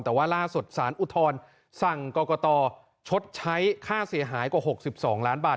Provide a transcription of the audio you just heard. แต่ว่าล่าสุดสารอุทธรสั่งกรกตชดใช้ค่าเสียหายกว่า๖๒ล้านบาท